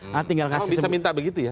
nah tinggal kamu bisa minta begitu ya